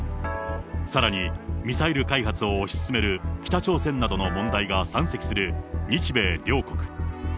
さらにミサイル開発を推し進める北朝鮮などの問題が山積する日米両国。